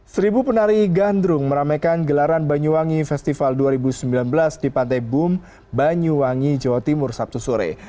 seribu penari gandrung meramaikan gelaran banyuwangi festival dua ribu sembilan belas di pantai bum banyuwangi jawa timur sabtu sore